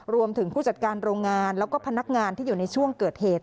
ผู้จัดการโรงงานแล้วก็พนักงานที่อยู่ในช่วงเกิดเหตุ